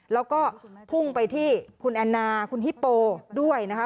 แล้วก็พุ่งไปที่คุณแอนนาคุณฮิปโปด้วยนะคะ